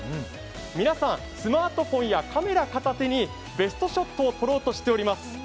皆さん、スマートフォンやカメラ片手にベストショットを撮ろうとしております。